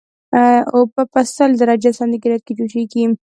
اوبه په سل درجه سانتي ګریډ کې جوشیږي